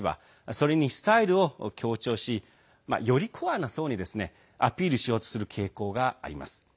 それにスタイルを強調しよりコアな層にアピールしようとする傾向があります。